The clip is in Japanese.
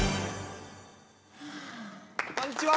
こんにちは！